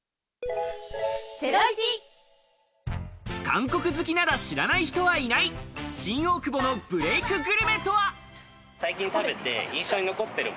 韓国好きなら知らない人はいない新大久保のブレイクグルメとは？